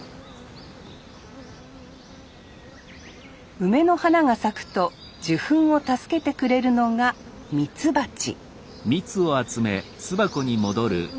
梅の花が咲くと受粉を助けてくれるのがみつばち